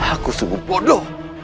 aku sungguh bodoh